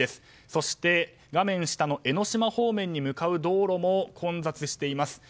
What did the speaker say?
そして、画面下の江の島方面に向かう道路も混雑しています。